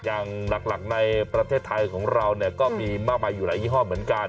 อย่างหลักในประเทศไทยของเราก็มีมากมายอยู่หลายยี่ห้อเหมือนกัน